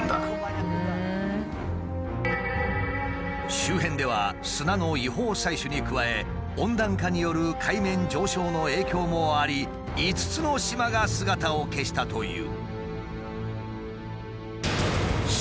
周辺では砂の違法採取に加え温暖化による海面上昇の影響もあり５つの島が姿を消したという。